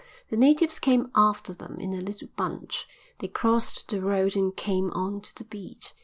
The natives came after them in a little bunch. They crossed the road and came on to the beach.